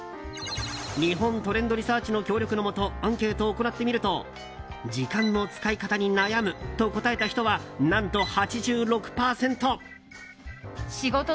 日本トレンドリサーチの協力のもとアンケートを行ってみると時間の使い方に悩むと答えた人は、何と８６％。